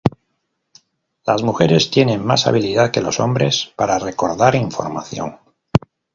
Las mujeres tienen más habilidad que los hombres para recordar información.